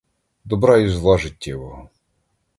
Добра і зла життєвого!